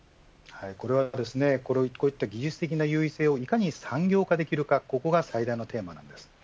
これはこういった技術的な優位性をいかに産業化できるかここが最大のテーマです。